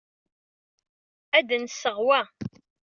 Ad d-nseɣ wa.